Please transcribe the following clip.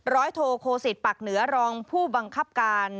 ร้อยโทโคดีซิทร์ปักเหนือรองผู้บังคับการ